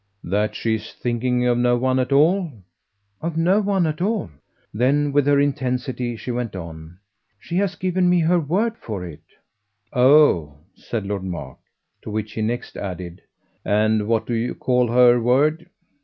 "That she's thinking of no one at all?" "Of no one at all." Then, with her intensity, she went on. "She has given me her word for it." "Oh!" said Lord Mark. To which he next added: "And what do you call her word?"